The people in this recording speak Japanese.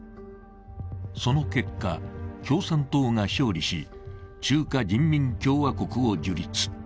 その結果、共産党が勝利し中華人民共和国を樹立。